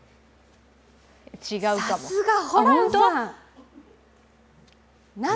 違うかな。